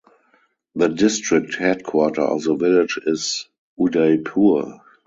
The District headquarter of the village is Udaipur.